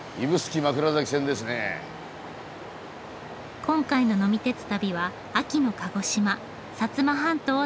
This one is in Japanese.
今回の呑み鉄旅は秋の鹿児島摩半島を旅します。